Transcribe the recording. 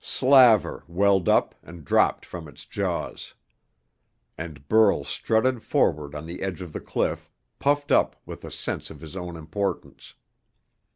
Slaver welled up and dropped from its jaws. And Burl strutted forward on the edge of the cliff, puffed up with a sense of his own importance.